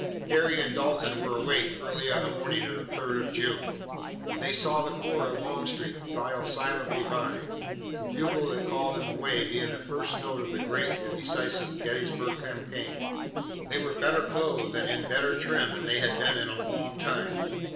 Harry and Dalton were awake early on the morning of the third of June, and they saw the corps of Longstreet file silently by, the bugle that called them away being the first note of the great and decisive Gettysburg campaign. They were better clothed and in better trim than they had been in a long time.